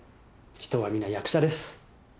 人は皆役者です。